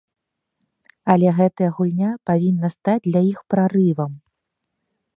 Але гэтая гульня павінна стаць для іх прарывам.